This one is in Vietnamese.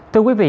thưa quý vị